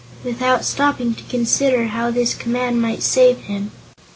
without stopping to consider how this command might save him.